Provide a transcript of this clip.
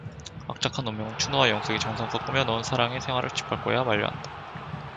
악착한 운명은 춘우와 영숙이 정성껏 꾸며 놓은 사랑의 생활을 짓 밟고야 말려한다.